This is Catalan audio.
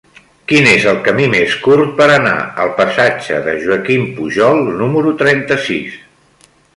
Quin és el camí més curt per anar al passatge de Joaquim Pujol número trenta-sis?